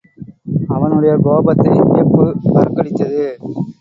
அவனுடைய கோபத்தை வியப்பு பறக்கடித்தது.